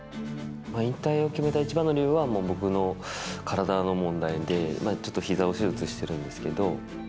引退を決めた一番の理由は、もう、僕の体の問題で、ちょっとひざを手術してるんですけど。